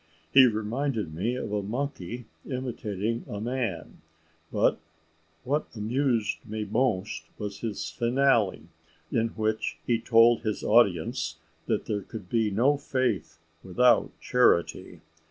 He reminded me of a monkey imitating a man; but what amused me most, was his finale, in which he told his audience that there could be no faith without charity.